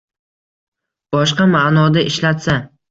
boshqa maʼnoda ishlatsa